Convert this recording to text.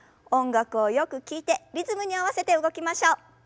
音楽をよく聞いてリズムに合わせて動きましょう。